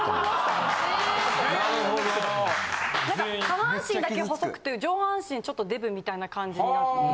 下半身だけ細くて上半身ちょっとデブみたいな感じに見えちゃう。